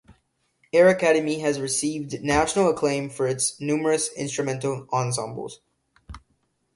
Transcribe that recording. Air Academy has received national acclaim for its numerous instrumental ensembles.